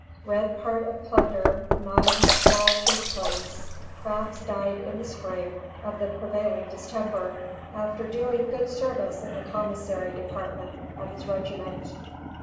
Red part of plunder, 9 small tooth combs." Crafts died in the spring, of the prevailing distemper, after doing good service in the commissary department of his regiment.